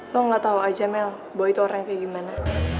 lu gak tau aja mel boy tuh orangnya kayak gimana